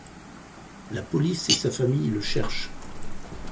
La police et sa famille le cherche.